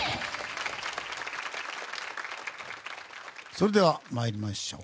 それでは参りましょう。